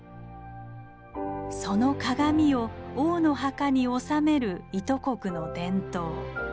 その鏡を王の墓におさめる伊都国の伝統。